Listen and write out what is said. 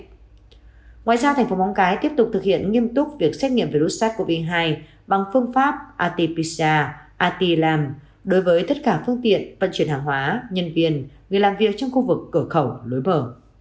ngoài ra thành phố móng cái tiếp tục thực hiện nghiêm túc việc xét nghiệm virus sars cov hai bằng phương pháp atpsa atlam đối với tất cả phương tiện vận chuyển hàng hóa nhân viên người làm việc trong khu vực cửa khẩu lối mở